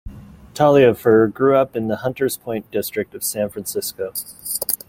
Taliaferro grew up in the Hunters Point district of San Francisco.